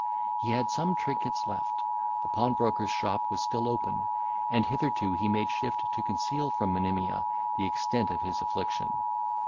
He had some trinkets left; the pawnbroker's shop was still open; and hitherto he made shift to conceal from Monimia the extent of his affliction.